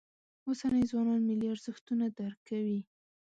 اوسني ځوانان ملي ارزښتونه درک کوي.